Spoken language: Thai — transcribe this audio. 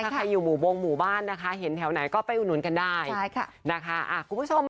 ถ้าใครอยู่หมู่วงหมู่บ้านนะคะเห็นแถวไหนก็ไปอุดหนุนกันได้ใช่ค่ะนะคะคุณผู้ชม